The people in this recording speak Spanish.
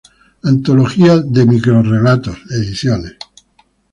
Antología de microrrelatos", Ed.